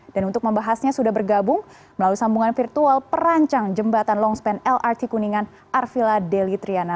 dan untuk membahasnya sudah bergabung melalui sambungan virtual perancang jembatan longspan lrt kuningan arvila delitriana